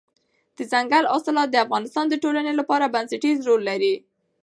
دځنګل حاصلات د افغانستان د ټولنې لپاره بنسټيز رول لري.